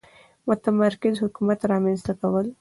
متمرکز حکومت رامنځته کول.